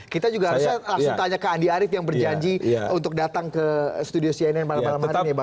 kita juga harusnya langsung tanya ke andi arief yang berjanji untuk datang ke studio cnn malam malam hari ini ya bang